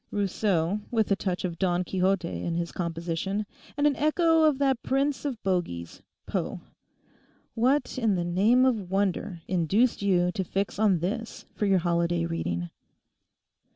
Rousseau, with a touch of Don Quixote in his composition, and an echo of that prince of bogies, Poe! What, in the name of wonder, induced you to fix on this for your holiday reading?